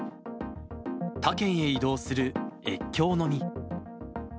他県へ移動する越境飲み。